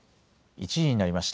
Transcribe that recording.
１時になりました。